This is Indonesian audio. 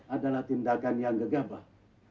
adalah tindakan yang gegabah